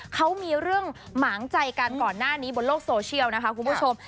เขามีเรื่องหมางใจกันก่อนหน้านี้บนโลกโซเชียลนะคะคุณผู้ชม